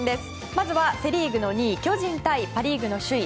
まずはセ・リーグの２位巨人対パ・リーグの首位